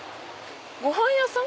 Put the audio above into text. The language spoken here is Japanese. ごはん屋さん？